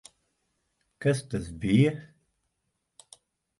Kas tas bija?